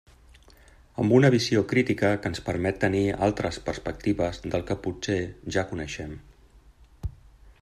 Amb una visió crítica que ens permet tenir altres perspectives del que potser ja coneixem.